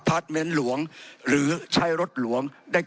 ผมจะขออนุญาตให้ท่านอาจารย์วิทยุซึ่งรู้เรื่องกฎหมายดีเป็นผู้ชี้แจงนะครับ